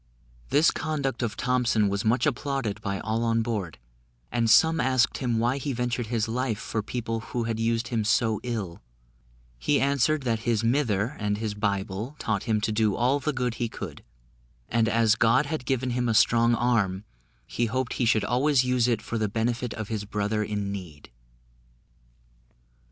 This conduct of Thompson was much applauded by all on board, and some asked him why he ventured his life for people who had used him so ill: he answered, that his mither and his Bible taught him to do all the good he could: and as God had given him a strong arm, he hoped he should always use it for the benefit of his brother in need.